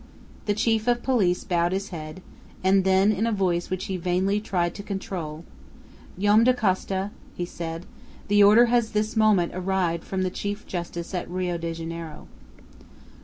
The chief of the police bowed his head, and then, in a voice which he vainly tried to control: "Joam Dacosta," he said, "the order has this moment arrived from the chief justice at Rio Janeiro."